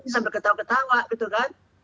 sampai ketawa ketawa gitu kan